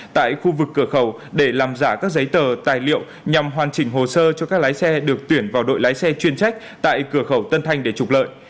tại khu vực cửa khẩu để làm giả các giấy tờ tài liệu nhằm hoàn chỉnh hồ sơ cho các lái xe được tuyển vào đội lái xe chuyên trách tại cửa khẩu tân thanh để trục lợi